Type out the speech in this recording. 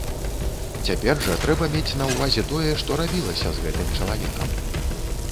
Цяпер жа трэба мець на ўвазе тое, што рабілася з гэтым чалавекам.